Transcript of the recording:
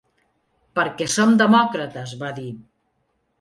Perquè som demòcrates, va dir.